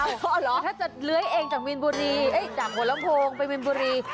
อ๋อเหรอถ้าจะเลื้อยเองจากโหลมโพงไปมินบุรี